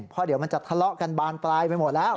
เพราะเดี๋ยวมันจะทะเลาะกันบานปลายไปหมดแล้ว